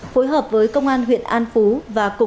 phối hợp với công an huyện an phú và cục quản lý